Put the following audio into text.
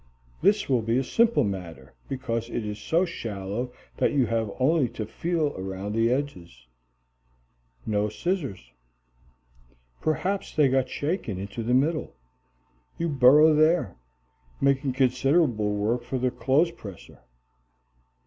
This will be a simple matter, because it is so shallow that you have only to feel around the edges. No scissors. Perhaps they got shaken into the middle. You burrow there, making considerable work for the clothes presser.